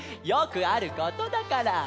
よくあることだから！